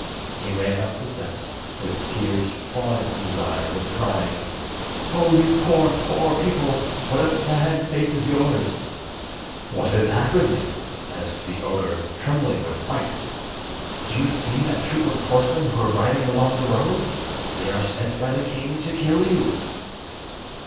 He ran up the steps, with tears falling from his eyes, and crying: "Oh, you poor, poor people, what a sad fate is yours!" "What has happened?" asked the ogre, trembling with fright. "Do you see that troop of horsemen who are riding along the road? They are sent by the king to kill you!"